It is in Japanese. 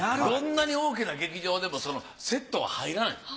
どんなに大きな劇場でもセットが入らない。